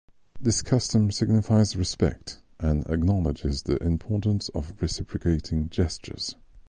This custom signifies respect and acknowledges the importance of reciprocating gestures.